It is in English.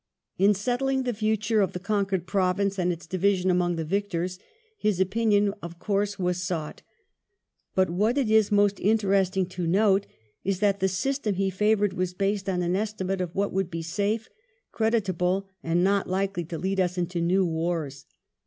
In settling the future of the conquered province and its division among the victors, his opinion of course was sought ; but what it is most interesting to note is that the system he favoured was based on an estimate of what would be safe, creditable, and " not likely to lead us into new wars."